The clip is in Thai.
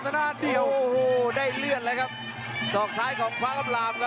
ด้านเดียวโอ้โหได้เลือดแล้วครับศอกซ้ายของฟ้าอำลามครับ